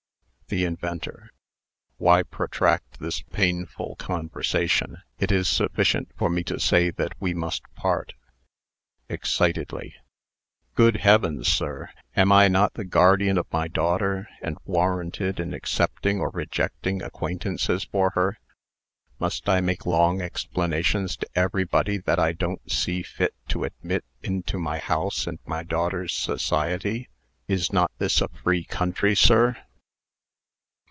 THE INVENTOR. "Why protract this painful conversation? It is sufficient for me to say that we must part. (Excitedly.) Good heavens, sir! am I not the guardian of my daughter, and warranted in accepting or rejecting acquaintances for her? Must I make long explanations to everybody that I don't see fit to admit into my house and my daughter's society? Is not this a free country, sir?"